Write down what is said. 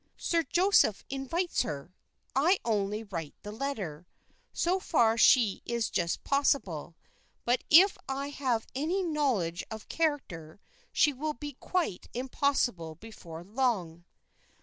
"Sir Joseph invites her. I only write the letter. So far she is just possible; but if I have any knowledge of character, she will be quite impossible before long."